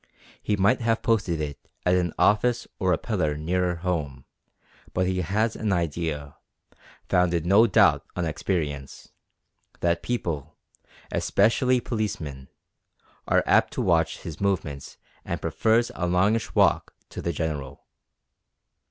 He might have posted it at an office or a pillar nearer home, but he has an idea, founded no doubt on experience, that people, especially policemen, are apt to watch his movements and prefers a longish walk to the General.